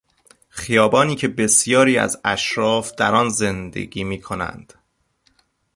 خیابانی که بسیاری از اشراف در آن زندگی میکنند.